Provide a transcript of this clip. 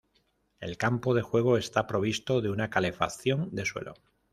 El campo de juego está provisto de una calefacción de suelo.